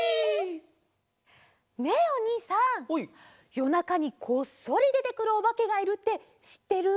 よなかにこっそりでてくるおばけがいるってしってる？